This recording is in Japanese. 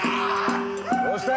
どうした？